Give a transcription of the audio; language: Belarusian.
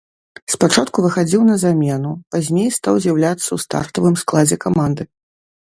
Спачатку выхадзіў на замену, пазней стаў з'яўляцца ў стартавым складзе каманды.